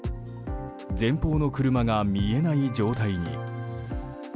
前方の車が見えない状態に。